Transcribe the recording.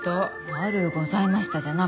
悪うございましたじゃなくて。